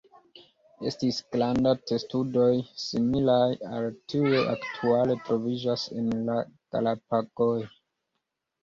Estis granda testudoj, similaj al tiuj aktuale troviĝas en la Galapagoj.